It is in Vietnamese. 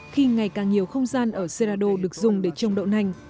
nhưng ngày càng nhiều không gian ở cerrado được dùng để trồng đậu nành